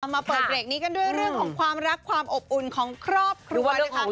มาเปิดเบรกนี้กันด้วยเรื่องของความรักความอบอุ่นของครอบครัวนะคะ